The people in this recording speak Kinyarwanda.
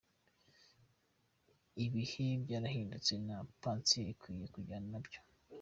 Ibihe byarahindutse, na Pansiyo ikwiye kujyana na byo’.